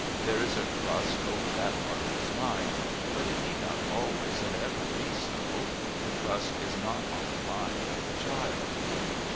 There is a crust over that part of his mind; but it need not always and ever be so; the crust is not on the mind of the child.